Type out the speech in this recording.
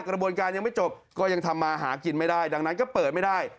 กระบวนการยังไม่จบก็ยังทำมาหากินไม่ได้ดังนั้นก็เปิดไม่ได้